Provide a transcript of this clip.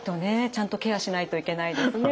ちゃんとケアしないといけないですね